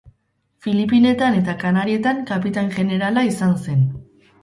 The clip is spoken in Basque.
Filipinetan eta Kanarietan kapitain jenerala izan zen.